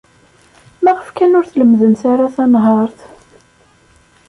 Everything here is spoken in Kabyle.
Maɣef kan ur tlemmdemt ara tanhaṛt?